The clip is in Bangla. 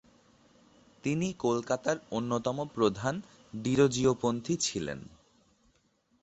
তিনি কলকাতার অন্যতম প্রধান ডিরোজিওপন্থী ছিলেন।